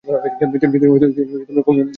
তিনি কওমি মহিলা মাদ্রাসার প্রবর্তক।